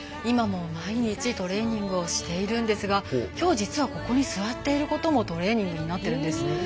今も毎日トレーニングをしているんですがきょう実はここに座っていることもトレーニングになってるんです。